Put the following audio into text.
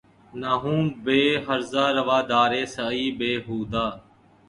نہ ہو بہ ہرزہ روادارِ سعیء بے ہودہ